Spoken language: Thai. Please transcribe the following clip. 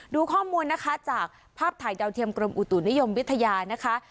ดูข้อมูลนะคะจากภาพถ่ายดาวเทียมกรมอุตุนิยมวิทยานะคะ